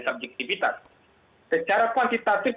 subjektivitas secara kuantitatif